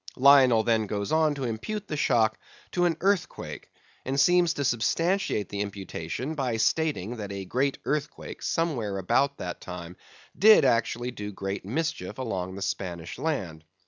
Lionel then goes on to impute the shock to an earthquake, and seems to substantiate the imputation by stating that a great earthquake, somewhere about that time, did actually do great mischief along the Spanish land.